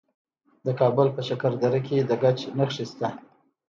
د کابل په شکردره کې د ګچ نښې شته.